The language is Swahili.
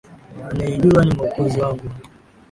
Anayejua ni Mwokozi wangu.